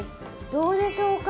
どうでしょうか？